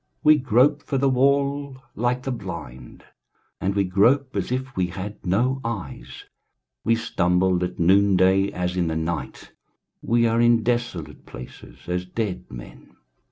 23:059:010 We grope for the wall like the blind, and we grope as if we had no eyes: we stumble at noon day as in the night; we are in desolate places as dead men.